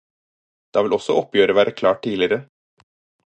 Da vil også oppgjøret være klart tidligere.